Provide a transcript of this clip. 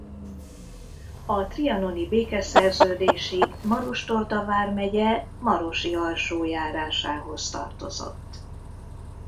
A trianoni békeszerződésig Maros-Torda vármegye Marosi-alsó járásához tartozott.